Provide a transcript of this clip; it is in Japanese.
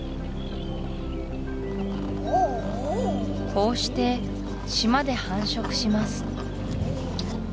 こうして島で繁殖します